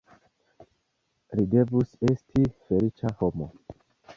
Li devus esti feliĉa homo.